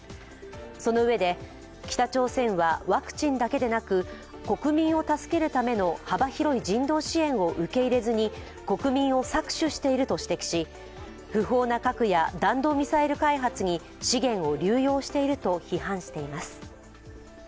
そのうえで、北朝鮮はワクチンだけでなく国民を助けるための幅広い人道支援を受け入れずに国民を搾取していると指摘し不法な核や弾道ミサイル開発に資源を流用していると批判しています。